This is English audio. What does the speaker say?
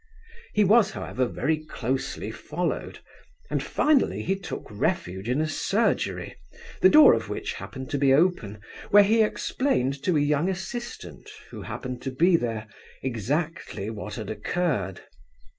He was, however, very closely followed, and finally he took refuge in a surgery, the door of which happened to be open, where he explained to a young assistant, who happened to be there, exactly what had occurred.